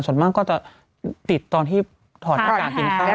ส่วนมากก็จะติดตอนที่ถอดอากาศกินข้าว